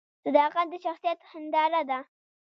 صداقت د شخصیت هنداره ده